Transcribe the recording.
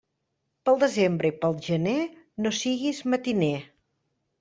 Pel desembre i pel gener, no siguis matiner.